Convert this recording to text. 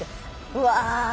うわ！